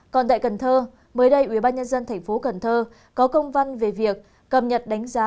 còn tại cần thơ mới đây ủy ban nhân dân tp hcm có công văn về việc cập nhật đánh giá